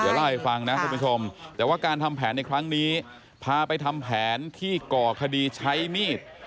เดี๋ยวเล่าให้ฟังนะคุณผู้ชมแต่ว่าการทำแผนในครั้งนี้พาไปทำแผนที่ก่อคดีใช้มีด